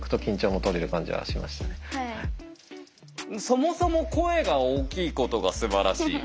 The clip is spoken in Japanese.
そもそも声が大きいことがすばらしい。